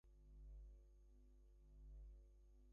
Also, mucus traps infectious agents.